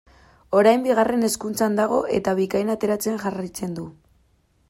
Orain Bigarren Hezkuntzan dago eta Bikain ateratzen jarraitzen du.